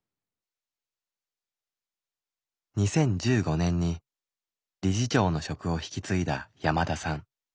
２０１５年に理事長の職を引き継いだ山田さん。